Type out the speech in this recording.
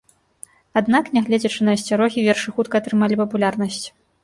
Аднак, нягледзячы на асцярогі, вершы хутка атрымалі папулярнасць.